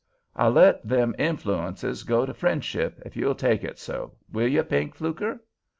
I let them infloonces go to friendship, ef you'll take it so. Will you, Pink Fluker?"